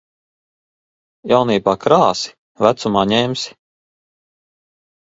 Jaunībā krāsi, vecumā ņemsi.